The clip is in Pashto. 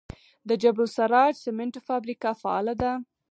د جبل السراج سمنټو فابریکه فعاله ده؟